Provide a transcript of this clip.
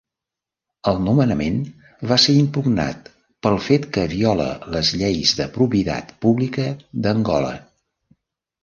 El nomenament va ser impugnat pel fet que viola les lleis de probitat pública d'Angola.